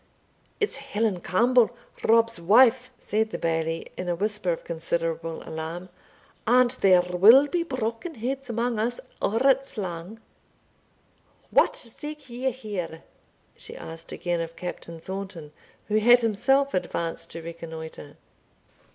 "It's Helen Campbell, Rob's wife," said the Bailie, in a whisper of considerable alarm; "and there will be broken heads amang us or it's lang." "What seek ye here?" she asked again of Captain Thornton, who had himself advanced to reconnoitre.